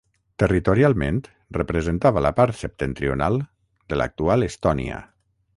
Territorialment representava la part septentrional de l'actual Estònia.